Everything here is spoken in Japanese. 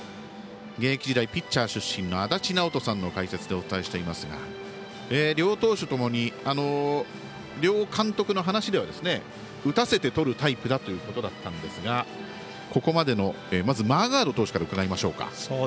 現役時代ピッチャー出身の足達尚人さんの解説でお伝えしていますが両投手ともに、両監督の話では打たせてとるタイプだということだったんですがここまでのマーガード投手から伺いましょう。